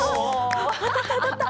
当たった、当たった。